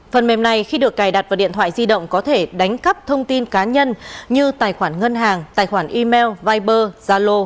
phần mềm này khi được cài đặt vào điện thoại di động có thể đánh cắp thông tin cá nhân như tài khoản ngân hàng tài khoản email viber zalo